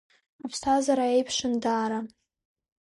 Аԥсҭазаара еиԥшын даара.